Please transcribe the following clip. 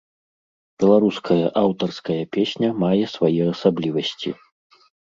Беларуская аўтарская песня мае свае асаблівасці.